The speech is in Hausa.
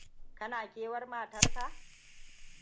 Kana kewar matar ka?